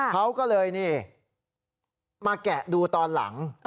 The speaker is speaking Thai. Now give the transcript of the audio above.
เขาก็เลยนี่มาแกะดูตอนหลัง